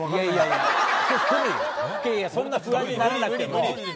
いやいやそんな不安にならなくても。